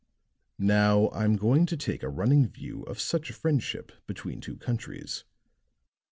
"Now, I'm going to take a running view of such a friendship between two countries.